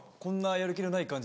やる気のない感じ。